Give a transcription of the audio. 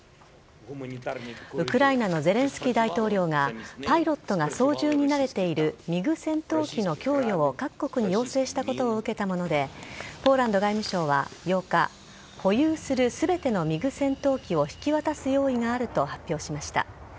ウクライナのゼレンスキー大統領が、パイロットが操縦に慣れているミグ戦闘機の供与を各国に要請したことを受けたもので、ポーランド外務省は８日、保有するすべてのミグ戦闘機を引き渡す用意があると発表しました。